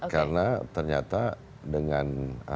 karena ternyata dengan